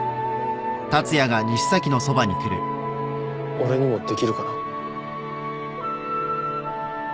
俺にもできるかな。